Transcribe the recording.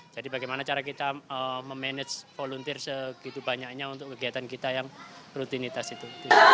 jadi bagaimana cara kita memanage volunteer segitu banyaknya untuk kegiatan kita yang rutinitas itu